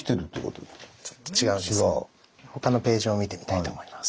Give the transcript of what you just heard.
他のページも見てみたいと思います。